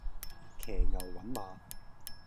騎牛揾馬